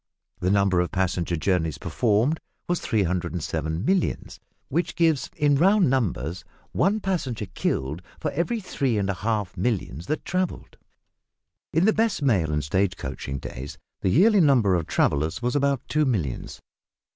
The number of passenger journeys performed was 307 millions, which gives, in round numbers, one passenger killed for every three and a half millions that travelled. In the best mail and stage coaching days the yearly number of travellers was about two millions.